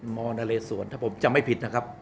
มนเลสวนถ้าผมจำไม่ผิดนะครับ